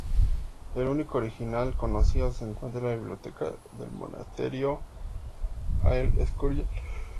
El único original conocido se encuentra en la biblioteca del Monasterio de El Escorial.